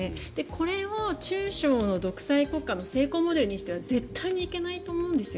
これを中小の独裁国家の成功モデルにしたら絶対にいけないと思うんです。